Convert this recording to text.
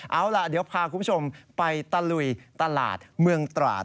เอาล่ะเดี๋ยวพาคุณผู้ชมไปตะลุยตลาดเมืองตราด